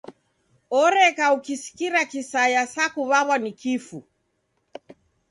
Oreka ukisikira kisaya sa kuw'aw'a ni kifu.